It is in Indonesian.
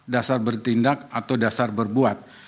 dasar bertindak atau dasar berbuat